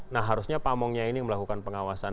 nah harusnya pamongnya ini yang melakukan pengawasan